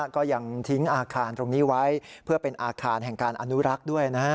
ก็ยังทิ้งอาคารตรงนี้ไว้เพื่อเป็นอาคารแห่งการอนุรักษ์ด้วยนะฮะ